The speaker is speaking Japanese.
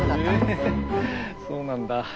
えそうなんだ。